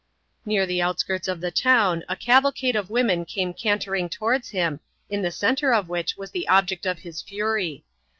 Near the outskirts of the town, a cavalcade of women came cantering towards him, in the centre of which was the object of his fury.